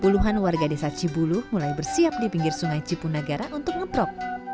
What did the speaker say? puluhan warga desa cibulu mulai bersiap di pinggir sungai cipunagara untuk ngeprok